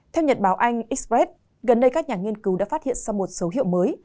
theo nhật báo anh express gần đây các nhà nghiên cứu đã phát hiện ra một số hiệu mới